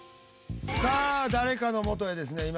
さあ誰かのもとへですね